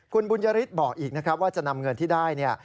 คุณบุญยฤทธิ์บอกอีกนะครับว่าจะนำเงินที่ได้เนี่ย